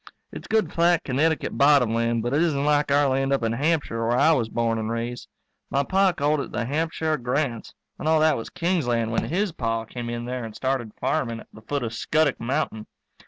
It's good flat Connecticut bottom land, but it isn't like our land up in Hampshire where I was born and raised. My Pa called it the Hampshire Grants and all that was King's land when his Pa came in there and started farming at the foot of Scuttock Mountain.